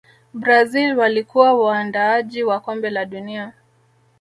brazil walikuwa waandaaji wa kombe la dunia